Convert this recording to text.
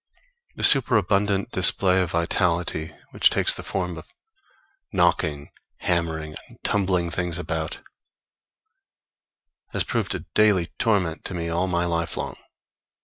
The superabundant display of vitality, which takes the form of knocking, hammering, and tumbling things about, has proved a daily torment to me all my life long.